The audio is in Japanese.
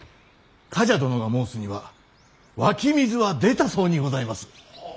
冠者殿が申すには湧き水は出たそうにございます。